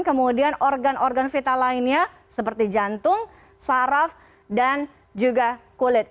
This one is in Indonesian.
kemudian organ organ vital lainnya seperti jantung saraf dan juga kulit